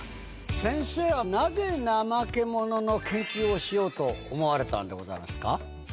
先生はなぜナマケモノの研究をしようと思われたんでございますか。